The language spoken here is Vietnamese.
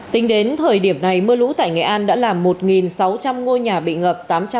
tính đến thời điểm này mưa lũ tại nghệ an đã làm một sáu trăm linh ngôi nhà bị ngập